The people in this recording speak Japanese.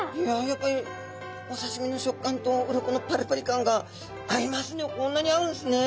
やっぱりおさしみの食感と鱗のパリパリ感が合いますね。